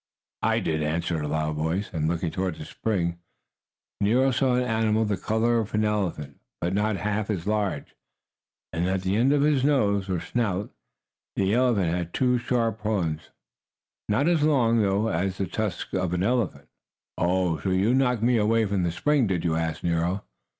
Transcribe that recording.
"I did!" answered a loud voice, and, looking toward the spring, Nero saw an animal the color of an elephant, but not half as large. And on the end of his nose, or snout, the animal had two sharp horns, not as long, though, as the tusks of an elephant. "Oh, so you knocked me away from the spring, did you?" asked Nero.